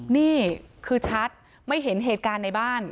นี่คือชัดไม่เห็นเหตุการณ์ในบ้าน